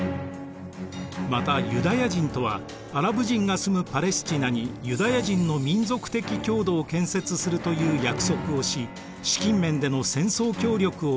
またユダヤ人とはアラブ人が住むパレスティナにユダヤ人の民族的郷土を建設するという約束をし資金面での戦争協力を求めました。